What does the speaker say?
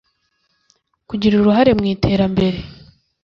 kugira uruhare mu iterambere